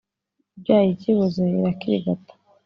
Ibyaye ikiboze irakirigata.